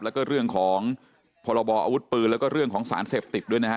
แล้วก็เรื่องของพรบออาวุธปืนแล้วก็เรื่องของสารเสพติดด้วยนะฮะ